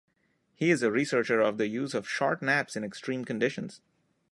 He is a researcher of the use of short naps in extreme conditions.